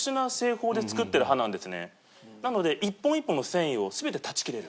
なので１本１本の繊維を全て断ち切れる。